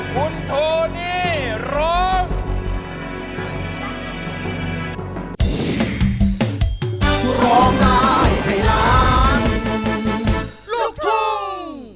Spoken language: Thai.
คุณโทนี่ร้อง